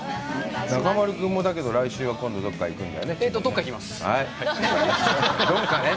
中丸君も、来週は、どこか行くんだよね？